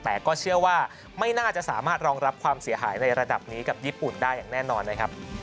แต่ก็เชื่อว่าไม่น่าจะสามารถรองรับความเสียหายในระดับนี้กับญี่ปุ่นได้อย่างแน่นอนนะครับ